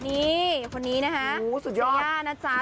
นี่คนนี้น่ะ